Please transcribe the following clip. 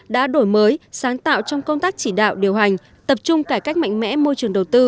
đã đổi mới sáng tạo trong công tác chỉ đạo điều hành tập trung cải cách mạnh mẽ môi trường đầu tư